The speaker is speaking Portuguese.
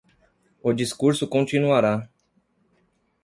O discurso continuará.